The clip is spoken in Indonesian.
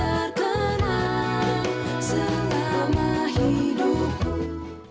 dan terkenal selama hidupku